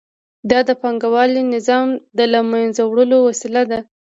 دا د پانګوالي نظام د له منځه وړلو وسیله ده